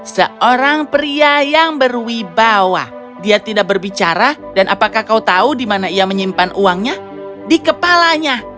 seorang pria yang berwibawa dia tidak berbicara dan apakah kau tahu di mana ia menyimpan uangnya di kepalanya